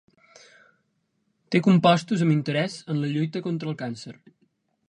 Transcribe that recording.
Té compostos amb interès en la lluita contra el càncer.